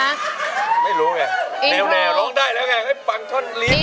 ไม่รู้ไงแนวลองได้แล้วไงฟังท่อนลิฟต์